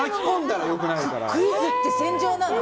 クイズって戦場なの。